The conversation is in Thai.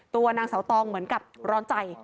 ตัวนางเสาตองเหมือนกับร้อนใจ